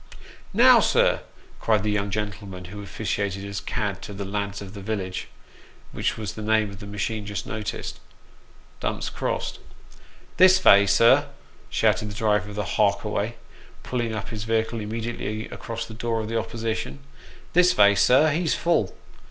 " Now, sir !" cried the young gentleman who officiated as " cad " to the " Lads of the Village," which was the name of the machine just noticed. Dumps crossed. " This vay, sir !" shouted the driver of the " Hark away," pulling up his vehicle immediately across the door of the opposition " This vay, sir he's full."